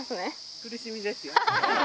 苦しみですよ。